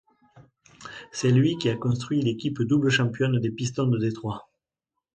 C'est lui qui a construit l'équipe double championne des Pistons de Détroit.